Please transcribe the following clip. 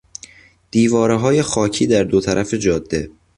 دیوارههای خاکی در دو طرف جاده